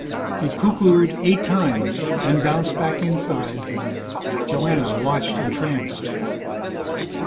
It cuckooed eight times, then bounced back inside. Joanna watched entranced.